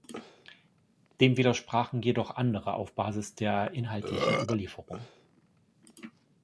Dem widersprachen jedoch andere auf Basis der inhaltlichen Überlieferung.